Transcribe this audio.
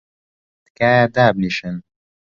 تکایە دابنیشن!